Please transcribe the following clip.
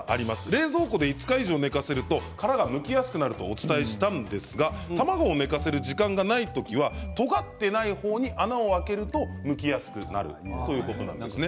冷蔵庫で５日以上寝かせると殻がむきやすくなるとお伝えしたんですが卵を寝かせる時間がない時はとがっていない方に穴を開けるとむけやすくなります。